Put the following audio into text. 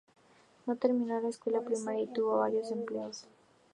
No terminó la escuela primaria, y tuvo varios empleos.